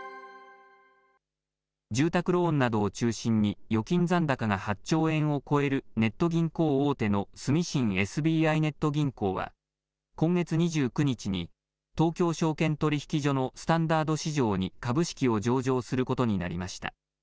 住宅ローンなどを中心に、預金残高が８兆円を超えるネット銀行大手の住信ＳＢＩネット銀行は、今月２９日に、東京証券取引所のスタンダード市場に株式を上場することになりました。